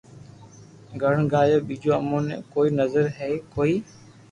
گڻ گايو ٻيجو امو ني ڪوئي نظر ھي ڪوئي